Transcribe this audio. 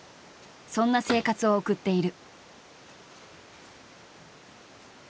そんな生活を送っている。